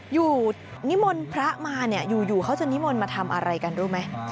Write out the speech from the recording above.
นิมนต์พระมาเนี่ยอยู่เขาจะนิมนต์มาทำอะไรกันรู้ไหม